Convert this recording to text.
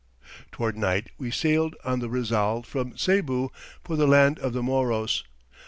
Toward night we sailed on the Rizal from Cebu for the land of the Moros.